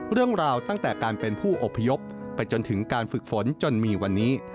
ตั้งแต่การเป็นผู้อพยพไปจนถึงการฝึกฝนจนมีวันนี้